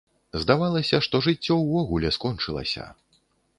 Здавалася, што жыццё ўвогуле скончылася.